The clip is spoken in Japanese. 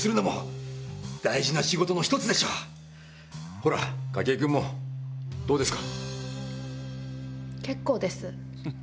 ほら筧君もどうですか？